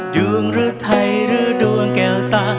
ดวงหรือไทยหรือดวงแก้วตา